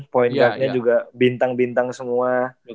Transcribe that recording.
point guard nya juga bintang bintang semua